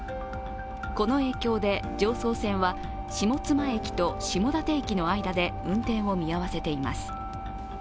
この影響で常総線は下妻駅と下館駅の間で運転を見合わせています。